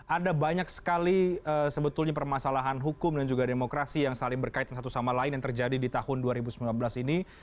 ada banyak sekali sebetulnya permasalahan hukum dan juga demokrasi yang saling berkaitan satu sama lain yang terjadi di tahun dua ribu sembilan belas ini